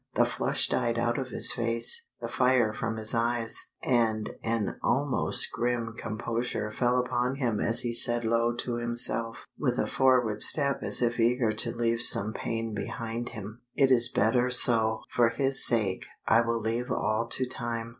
The flush died out of his face, the fire from his eyes, and an almost grim composure fell upon him as he said low to himself, with a forward step as if eager to leave some pain behind him "It is better so; for his sake I will leave all to time."